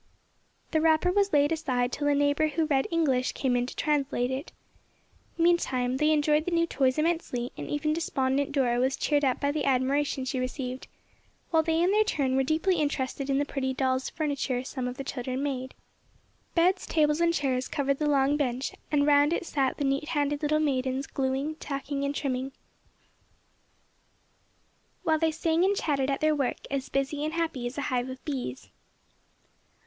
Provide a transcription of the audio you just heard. The wrapper was laid aside till a neighbor who read English came in to translate it. Meantime they enjoyed the new toys immensely, and even despondent Dora was cheered up by the admiration she received; while they in their turn were deeply interested in the pretty dolls' furniture some of the children made. Beds, tables and chairs covered the long bench, and round it sat the neat handed little maidens gluing, tacking and trimming, while they sang and chatted at their work as busy and happy as a hive of bees.